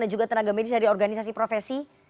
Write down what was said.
dan juga tenaga medis dari organisasi profesi